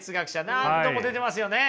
何度も出てますよね。